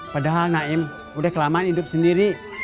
padahal naim udah kelamaan hidup sendiri